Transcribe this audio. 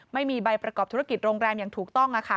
ไม่มีใบประกอบธุรกิจโรงแรมอย่างถูกต้อง